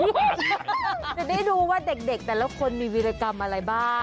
จะได้ดูว่าเด็กแต่ละคนมีวิรกรรมอะไรบ้าง